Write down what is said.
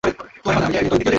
আমার মেয়ে মারা গেছে।